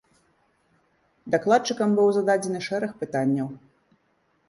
Дакладчыкам быў зададзены шэраг пытанняў.